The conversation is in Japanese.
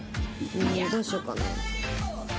うんどうしようかな。